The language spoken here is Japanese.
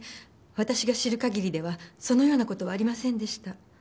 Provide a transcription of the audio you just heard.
私が知る限りではそのような事はありませんでした。